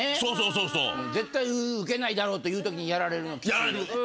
そうそう。絶対ウケないだろうという時にやられるのキツいよね。